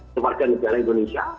sewarga negara indonesia